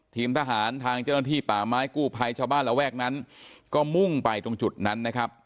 ทีมทหารทางเจ้าหน้าที่ป่าไม้กู้ภัยชาวบ้านระแวกนั้นก็มุ่งไปตรงจุดนั้นนะครับ